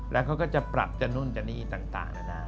แล้วเขาก็จะเปรับนู่นนู่นจากนี้ต่าง